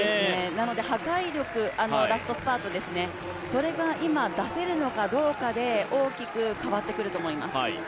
なのでラストスパートの破壊力が出せるのかどうかで大きく変わってくると思います。